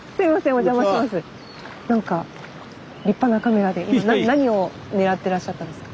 なんか立派なカメラで今何を狙ってらっしゃったんですか？